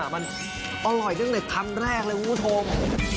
มันอร่อยจังในคำแรกเลยอู๋โทรง